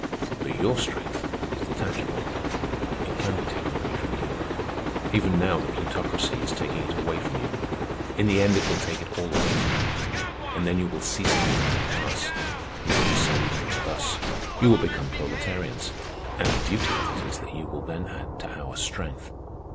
"But your strength is detachable. It can be taken away from you. Even now the Plutocracy is taking it away from you. In the end it will take it all away from you. And then you will cease to be the middle class. You will descend to us. You will become proletarians. And the beauty of it is that you will then add to our strength.